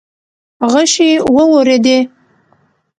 غشې وورېدې.